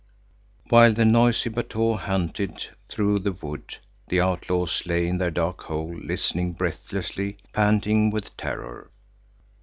While the noisy battue hunted through the wood, the outlaws lay in their dark hole, listening breathlessly, panting with terror.